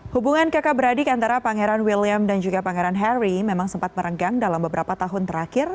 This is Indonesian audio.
hubungan kakak beradik antara pangeran william dan juga pangeran harry memang sempat merenggang dalam beberapa tahun terakhir